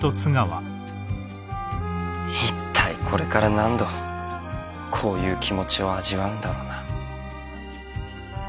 一体これから何度こういう気持ちを味わうんだろうな。